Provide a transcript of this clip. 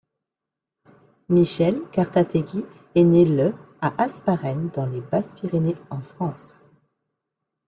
Michel Cartatéguy est né le à Hasparren dans les Basses-Pyrénées en France.